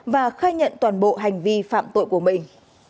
và khai nhận toàn bộ hành vi phạm tội của mình